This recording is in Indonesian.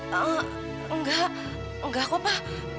enggak enggak kok pa